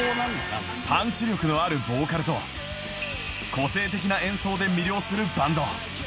パンチ力のあるボーカルと個性的な演奏で魅了するバンド